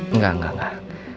enggak enggak enggak